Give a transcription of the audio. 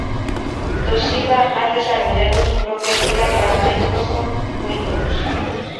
Toshiba ha desarrollado su propia pila para Microsoft Windows.